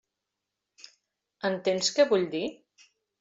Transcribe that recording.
Entens què vull dir?